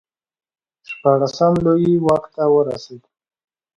شپاړسم لویي واک ته ورسېد.